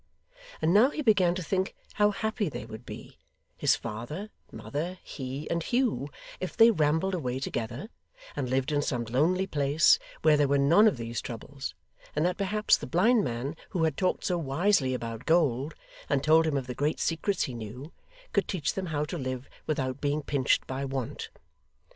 And now he began to think how happy they would be his father, mother, he, and Hugh if they rambled away together, and lived in some lonely place, where there were none of these troubles; and that perhaps the blind man, who had talked so wisely about gold, and told him of the great secrets he knew, could teach them how to live without being pinched by want.